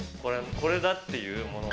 これだっていうものを。